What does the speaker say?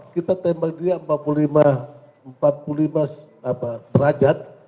kita tembak dia empat puluh lima derajat